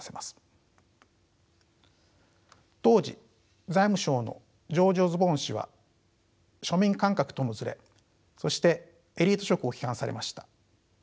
当時財務相のジョージ・オズボーン氏は庶民感覚とのずれそしてエリート色を批判されました。